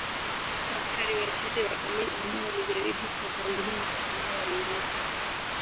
Askari wachache wa Amin ambao walijaribu kuwashambulia Watanzania waliuawa haraka